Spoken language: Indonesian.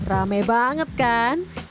rame banget kan